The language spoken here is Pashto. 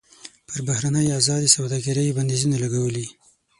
پر بهرنۍ ازادې سوداګرۍ یې بندیزونه لګولي.